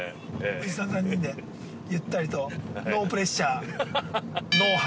◆おじさん３人でゆったりとノープレッシャー、ノー華。